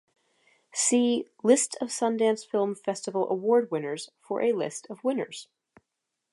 See List of Sundance Film Festival award winners for a list of winners.